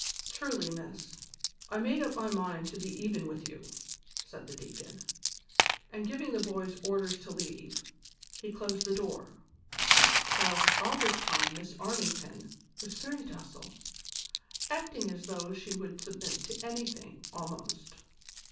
" Trulj , miss, I made up my mind to be even with you," said the deacon, and giving the boys orders to leave, he closed the door, whilst all this time Miss Armington was very docile, acting as though she would submit to anything almost.